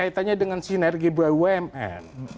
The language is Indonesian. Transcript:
ini sama dengan sinergi bumn